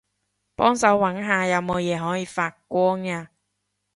幫手搵下有冇嘢可以發光吖